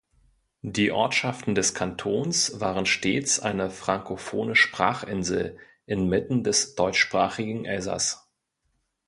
Die Ortschaften des Kantons waren stets eine frankophone Sprachinsel inmitten des deutschsprachigen Elsass.